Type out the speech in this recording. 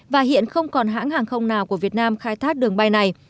và hiện không còn hãng hàng không nào của việt nam khai thác đường bay này